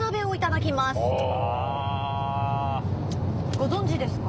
ご存じですか？